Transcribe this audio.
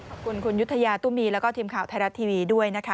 ขอบคุณคุณยุธยาตุ้มีแล้วก็ทีมข่าวไทยรัฐทีวีด้วยนะคะ